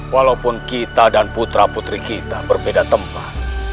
walaupun kita dan putra putri kita berbeda tempat